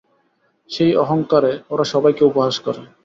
সেই অহংকারে, ওরা সবাইকে উপহাস করে।